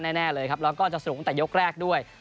แน่เลยครับแล้วก็จะสนุกตั้งแต่ยกแรกด้วย